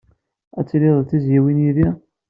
Ad tiliḍ d tizzyiwin yid-i.